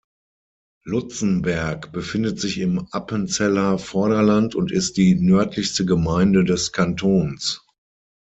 Lutzenberg befindet sich im Appenzeller Vorderland und ist die nördlichste Gemeinde des Kantons.